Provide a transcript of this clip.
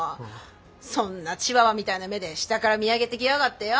そんなチワワみたいな目で下から見上げてきやがってよ。